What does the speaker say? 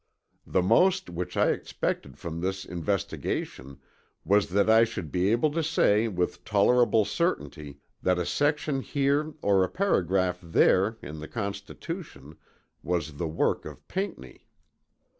The most which I expected from this investigation was that I should be able to say with tolerable certainty that a section here or a paragraph there in the Constitution, was the work of Pinckney.